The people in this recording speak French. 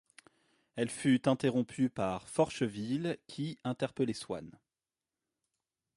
Elle fut interrompue par Forcheville qui interpellait Swann.